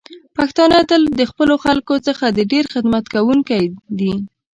پښتانه تل د خپلو خلکو څخه د ډیر خدمت کوونکی دی.